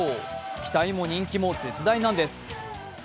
期待も人気も絶大なんです。